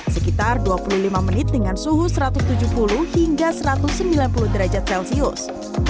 sekitar dua puluh lima menit dengan suhu satu ratus tujuh puluh hingga satu ratus sembilan puluh derajat celcius